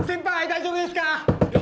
大丈夫ですか！？